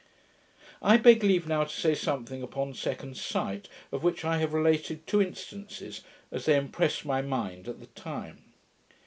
I beg leave to say something upon second sight, of which I have related two instances, as they impressed my mind at the time.